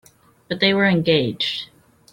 But they were engaged.